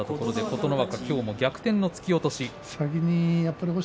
琴ノ若きょうも逆転の突き落とし。